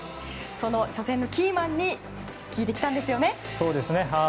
その初戦のキーマンに聞いてきたんですよね。